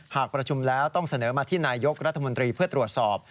หากประชุมแล้วต้องเสนอมาที่นายกรัฐมนตรีเพื่อตรวจสอบ